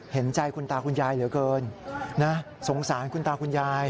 เห็นใจคุณตาคุณยายเหลือเกินนะสงสารคุณตาคุณยาย